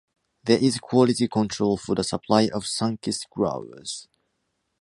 There is quality control for the supply of Sunkist Growers.